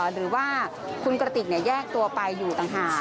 หรือว่าคุณกระติกแยกตัวไปอยู่ต่างหาก